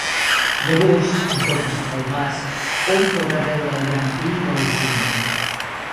Llavors, un cop passat el mas, hom podrà veure el gran pi i l'alzina.